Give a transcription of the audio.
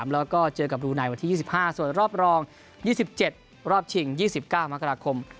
แล้วก็เจอกับบรูไนวันที่๒๕ส่วนรอบรอง๒๗รอบชิง๒๙มกราคม